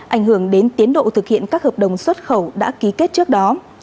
ảnh hưởng đến tiến độ thực hiện các hợp đồng xuất khẩu đã ký kết trước đó